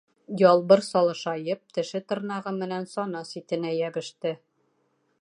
Ялбыр салышайып, теше-тырнағы менән сана ситенә йәбеште.